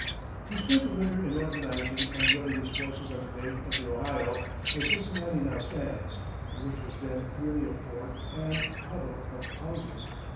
He spent the winter in organizing and drilling his forces on the bank of the Ohio where Cincinnati now stands, but which was then merely a fort and huddle of houses.